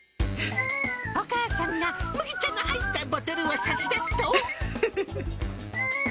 お母さんが麦茶の入ったボトルを差し出すと。